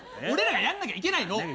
俺らがやんなきゃいけないの！